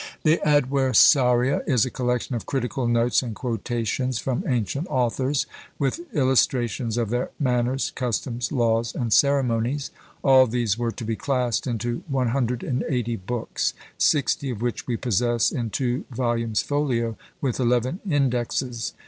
The "Adversaria" is a collection of critical notes and quotations from ancient authors, with illustrations of their manners, customs, laws, and ceremonies; all these were to be classed into one hundred and eighty books; sixty of which we possess in two volumes folio, with eleven indexes.